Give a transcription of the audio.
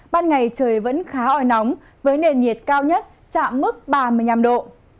ban ngày trời vẫn khá ỏi nóng với nền nhiệt cao nhất trạm mức ba mươi nham độ